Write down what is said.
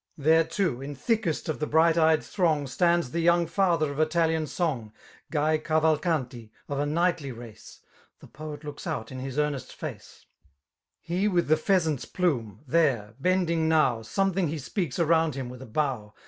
There too, in thickest of the hnght eyed thnxig^ Stands the young feither of Italian song, ..» 9 Guy Cavuloattli, of a kaig^y jrace; The poet looks out in his earnest Uee^ He with the pheasant's plimie ^heie «»bending now> Something he speaks around him with a bow.